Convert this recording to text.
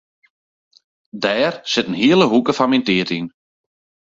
Dêr sit in hiele hoeke fan myn tiid yn.